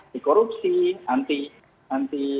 di korupsi anti anti